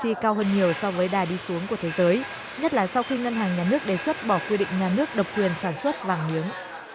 chi cao hơn nhiều so với đà đi xuống của thế giới nhất là sau khi ngân hàng nhà nước đề xuất bỏ quy định nhà nước độc quyền sản xuất vàng miếng